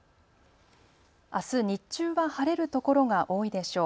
あす日中は晴れる所が多いでしょう。